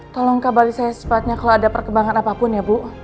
tolong kabari saya secepatnya kalau ada perkembangan apapun ya bu